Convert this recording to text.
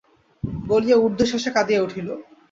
বলিয়া ঊর্ধ্বশ্বাসে কাঁদিয়া উঠিল।